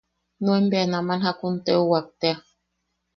Nuen bea naman jakun teuwak tea.